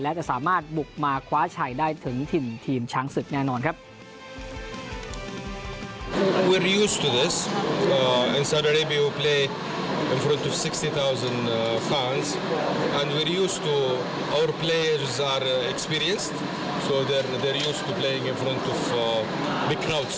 และจะสามารถบุกมาคว้าชัยได้ถึงถิ่นทีมช้างศึกแน่นอนครับ